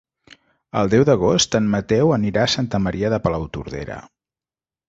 El deu d'agost en Mateu anirà a Santa Maria de Palautordera.